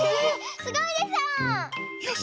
すごいでしょ？